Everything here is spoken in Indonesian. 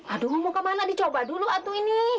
aduh mau kemana dicoba dulu aduh ini